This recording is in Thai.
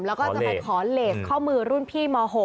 แล้วก็จะไปขอเลสข้อมือรุ่นพี่ม๖